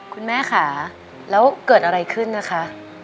คุณแม่ค่ะแล้วเกิดอะไรขึ้นนะคะ